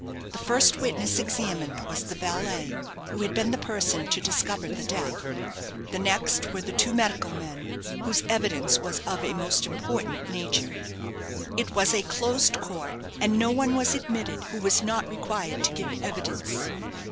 The first witness examined was the valet, who had been the person to discover the death; the next were the two medical men, whose evidence was of a most important nature. It was a closed court, and no one was admitted who was not required to give evidence.